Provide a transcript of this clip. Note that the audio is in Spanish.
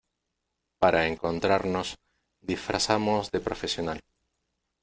para encontrarnos, disfrazamos de profesional